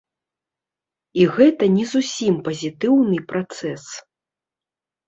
І гэта не зусім пазітыўны працэс.